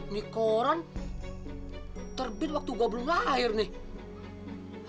nih koran terbit waktu gua belum lahir nih